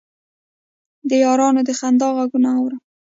د یارانو د خندا غـږونه اورم